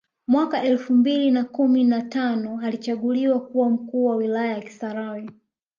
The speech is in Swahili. Mwaka elfu mbili na kumi na tano alichaguliwa kuwa mkuu wa wilaya ya kisarawe